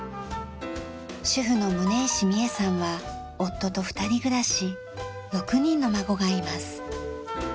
主婦の宗石美江さんは夫と２人暮らし６人の孫がいます。